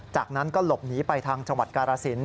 จากนั้นก็หลบหนีไปทางจังหวัดกาลสิน